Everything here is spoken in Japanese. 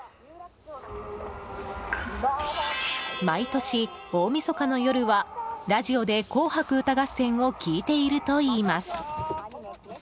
毎年、大みそかの夜はラジオで「紅白歌合戦」を聴いているといいます。